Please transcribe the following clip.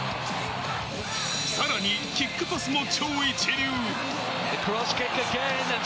さらにキックパスも超一流。